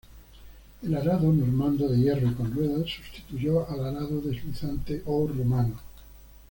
El arado normando, de hierro y con ruedas, sustituyó al arado deslizante o romano.